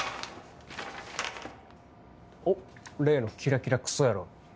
おっ例のキラキラクソ野郎。